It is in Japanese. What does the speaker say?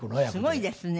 すごいですね。